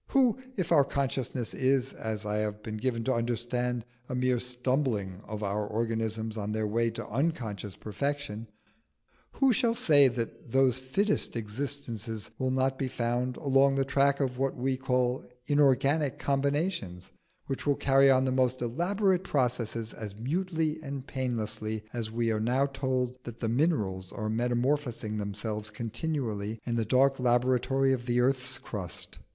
Who if our consciousness is, as I have been given to understand, a mere stumbling of our organisms on their way to unconscious perfection who shall say that those fittest existences will not be found along the track of what we call inorganic combinations, which will carry on the most elaborate processes as mutely and painlessly as we are now told that the minerals are metamorphosing themselves continually in the dark laboratory of the earth's crust?